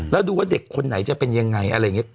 แล้วดูว่าเด็กคนไหนจะเป็นยังไงอะไรอย่างนี้